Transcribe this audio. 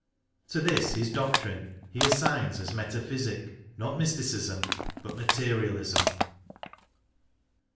To this his doctrine, he assigns as metaphysic not mysticism, but materialism.